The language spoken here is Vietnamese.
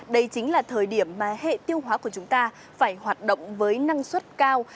đây chính là thời điểm mà hệ tiêu hóa của chúng ta phải hoạt động với năng suất cao